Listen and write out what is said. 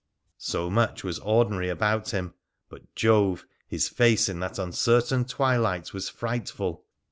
So much was ordinary about him, but — Jove !— his face in that uncertain twilight was frightful